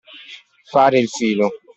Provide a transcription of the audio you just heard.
Fare il filo.